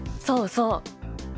そうそう！